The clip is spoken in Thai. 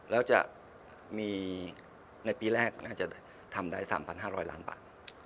แล้วจะมีในปีแรกน่าจะทำได้๓๕๐๐ล้านบาท